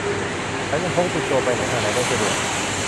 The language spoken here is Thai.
แถมยังพกติดตัวไปไหนมาไหนได้สะดวก